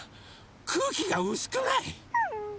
くうきがうすくない？